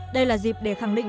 đây là dịp để khẳng định